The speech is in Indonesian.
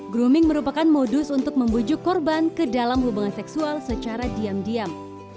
grooming merupakan modus untuk membujuk korban ke dalam hubungan seksual secara diam diam